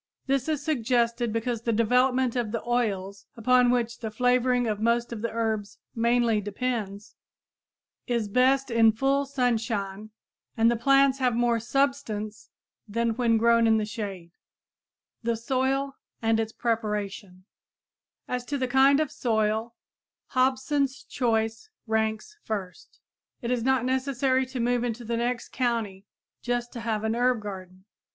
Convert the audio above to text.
This is suggested because the development of the oils, upon which the flavoring of most of the herbs mainly depends, is best in full sunshine and the plants have more substance than when grown in the shade. [Illustration: Combination Hand Plow, Harrow, Cultivator and Seed Drill] THE SOIL AND ITS PREPARATION As to the kind of soil, Hobson's choice ranks first! It is not necessary to move into the next county just to have an herb garden.